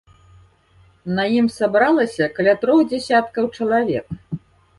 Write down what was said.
На ім сабралася каля трох дзясяткаў чалавек.